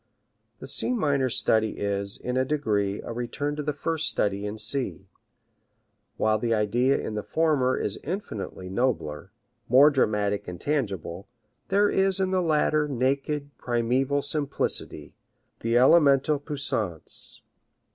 The C minor study is, in a degree, a return to the first study in C. While the idea in the former is infinitely nobler, more dramatic and tangible, there is in the latter naked, primeval simplicity, the larger eloquence, the elemental puissance.